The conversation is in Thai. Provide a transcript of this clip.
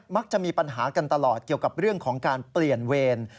จะมีปัญหากันตลอดเกี่ยวกับเรื่องของการเปลี่ยนเวร